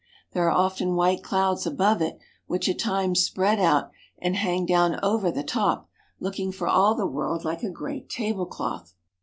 There are often white clouds above it which at times spread out and hang down over the top, looking for all the world like a great tablecloth.